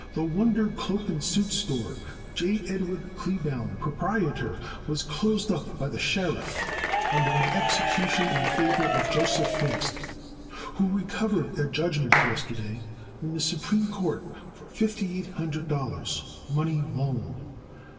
The Wonder Cloak and Suit Store, J. Edward Kleebaum, Proprietor, was closed up by the sheriff under an execution in favor of Joseph Pfingst, who recovered a judgment yesterday in the Supreme Court for $5800, money loaned.